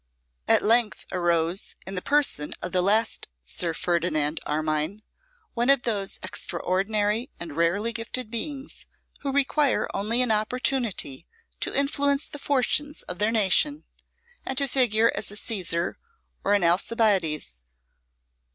At length arose, in the person of the last Sir Ferdinand Armine, one of those extraordinary and rarely gifted beings who require only an opportunity to influence the fortunes of their nation, and to figure as a Cæsar or an Alcibiades.